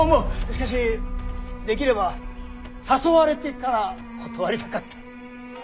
しかしできれば誘われてから断りたかった。